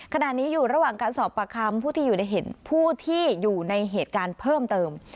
ขณะนี้อยู่ระหว่างการสอบปากคำผู้ที่ผู้ที่อยู่ในเหตุการณ์เพิ่มเติม